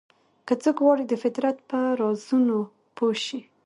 که څوک غواړي د فطرت په رازونو پوه شي.